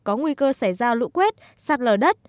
có nguy cơ xảy ra lũ quét sạt lở đất